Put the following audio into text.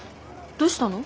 どうしたの？